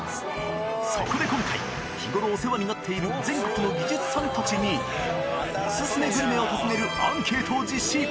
そこで今回日頃お世話になっている全国の技術さんたちにおすすめグルメを尋ねるアンケートを実施！